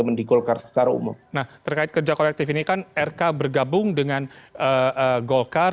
nah terkait kerja kolektif ini kan rk bergabung dengan golkar